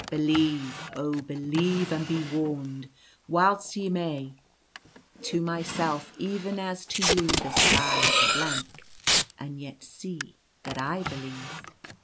Be lieve, oh, believe; and be warned, whilst ye may. To myself even as to you the sky is a blank; and yet see that I believe.